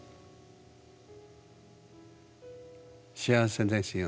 幸せですよ。